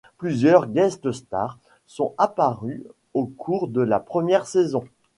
Plusieurs guest star sont apparues en cours de la première saison.